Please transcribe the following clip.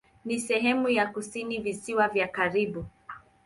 Ni sehemu ya kusini Visiwa vya Karibi.